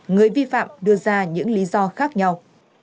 người vi phạm đưa ra những lý do khác nhau